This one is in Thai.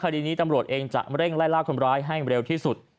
คดีนี้ตำรวจเองจะเร่งไล่ล่าคนร้ายให้เร็วที่สุด